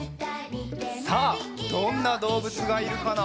さあどんなどうぶつがいるかな？